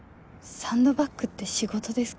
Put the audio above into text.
サンドバッグって仕事ですか？